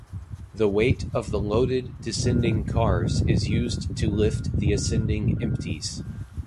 The weight of the loaded descending cars is used to lift the ascending empties.